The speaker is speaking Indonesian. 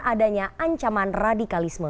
adanya ancaman radikalisme